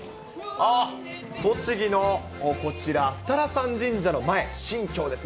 栃木のこちら、二荒山神社の前、神橋ですね。